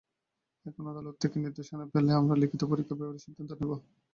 এখন আদালত থেকে নির্দেশনা পেলেই আমরা লিখিত পরীক্ষার ব্যাপারে সিদ্ধান্ত নেব।